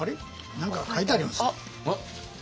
何か書いてありますね。